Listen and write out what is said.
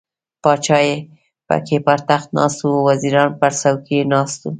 پاچا پکې پر تخت ناست و، وزیران پر څوکیو ناست وو.